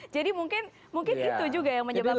jadi mungkin mungkin itu juga yang menyebabkannya